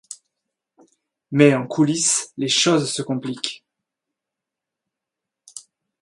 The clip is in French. Mais en coulisse les choses se compliquent.